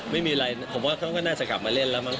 ไม่มีอะไรผมว่าเขาก็น่าจะกลับมาเล่นแล้วมั้